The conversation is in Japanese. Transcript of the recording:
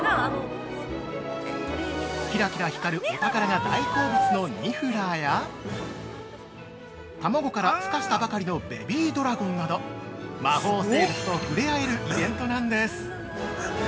キラキラ光るお宝が大好物のニフラーや、卵からふ化したばかりのベビードラゴンなど、魔法生物と触れ合えるイベントなんです。